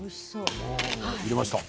入れました。